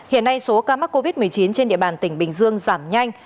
hiện nay số ca mắc covid một mươi chín trên địa bàn tỉnh bình dương giảm nhanh